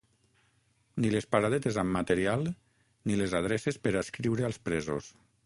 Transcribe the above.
Ni les paradetes amb material ni les adreces per a escriure als presos.